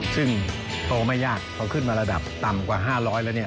ซึ่งโตไม่ยากพอขึ้นมาระดับต่ำกว่า๕๐๐แล้วเนี่ย